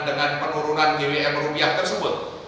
dengan penurunan gwm rupiah tersebut